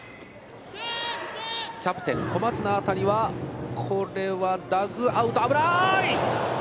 キャプテン小松の当たりはこれは、ダグアウト、危なーい！